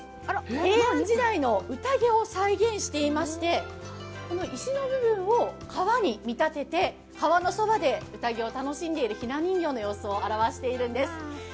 平安時代のうたげを再現していましてこの石の部分を川に見立てて、川のそばでうたげを楽しんでいるひな人形の様子を表しているんです。